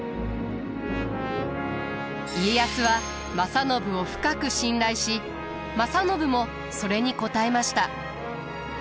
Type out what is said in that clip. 家康は正信を深く信頼し正信もそれに応えました。